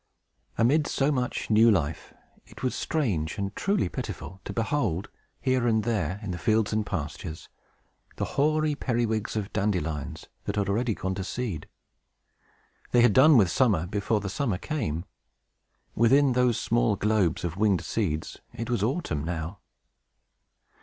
Amid so much new life, it was strange and truly pitiful to behold, here and there, in the fields and pastures, the hoary periwigs of dandelions that had already gone to seed. They had done with summer before the summer came. Within those small globes of winged seeds it was autumn now!